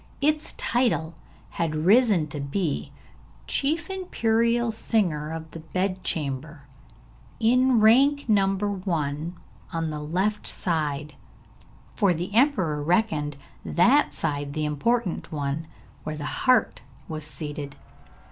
Its title had risen to be 'Chief Imperial Singer of the Bed Chamber,' in rank number one, on the left side; for the emperor reckoned that side the important one, where the heart was seated.